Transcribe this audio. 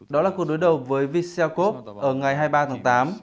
đó là cuộc đối đầu với viseo cup ở ngày hai mươi ba tháng tám